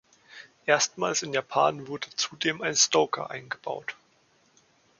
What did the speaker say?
Erstmals in Japan wurde zudem ein Stoker eingebaut.